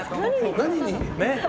何に？